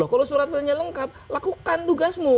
kalau suratnya lengkap lakukan tugasmu